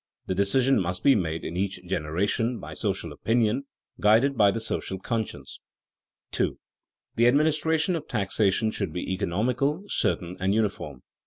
The decision must be made in each generation by social opinion, guided by the social conscience. [Sidenote: Principles of administration] 2. _The administration of taxation should be economical, certain, and uniform.